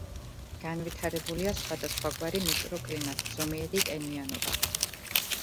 განვითარებულია სხვადასხვაგვარი მიკროკლიმატი, ზომიერი ტენიანობა.